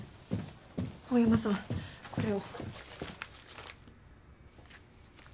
大山さんこれを。